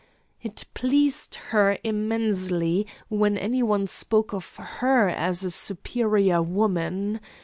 It pleased her immensely when any one spoke of her as 'a superior woman.'